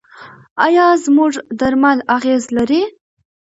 آیا زموږ درمل اغیز لري؟